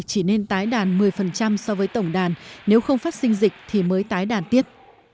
chỉ nên tái đàn một mươi so với tổng đàn nếu không phát sinh dịch thì mới tái đàn tiếp